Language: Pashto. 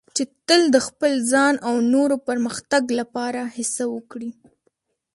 چې تل د خپل ځان او نورو پرمختګ لپاره هڅه وکړه.